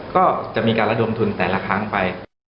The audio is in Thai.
ก็จะมีการระดมทุนแต่ละครั้งไป